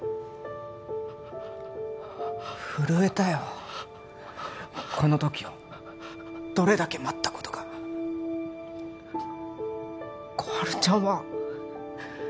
震えたよこの時をどれだけ待ったことか心春ちゃんは